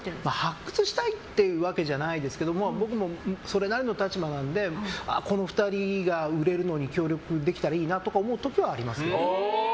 発掘したいわけじゃないんですけど僕もそれなりの立場なんでこの２人が売れるのに協力できたらいいなとか思う時はありますけど。